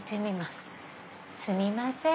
すみません！